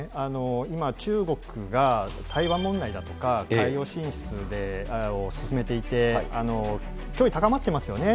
今、中国が台湾問題だとか海洋進出を進めていて、脅威高まっていますよね。